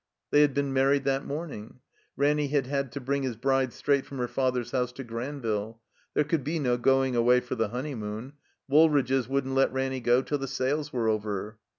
They had been married that morning. Ranny had had to bring his bride straight from her father's house to Granville. There could be no going away for the honeymoon. Woolridge's wouldn't let Ranny go till the sales were over.